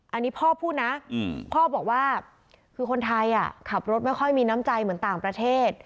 อันนี้พ่อพูดนะพ่อบอกว่าคือคนไทยขับรถไม่ค่อยมีน้ำใจเหมือนต่างประเทศ